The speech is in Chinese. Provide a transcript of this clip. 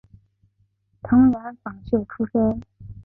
藤原芳秀出身。